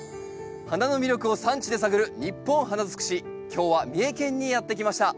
花の魅力を産地で探る「ニッポン花づくし」今日は三重県にやって来ました。